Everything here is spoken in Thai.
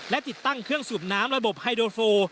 และติดตั้งเครื่องสูบน้ำระบบไฮโดโฟ